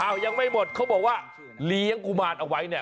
ยังไม่หมดเขาบอกว่าเลี้ยงกุมารเอาไว้เนี่ย